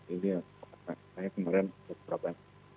ini saya kemarin berbicara